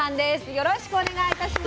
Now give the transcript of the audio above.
よろしくお願いします。